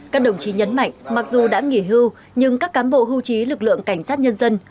các đồng chí nhấn mạnh mặc dù đã nghỉ hưu nhưng các cám bộ hưu trí lực lượng cảnh sát nhân dân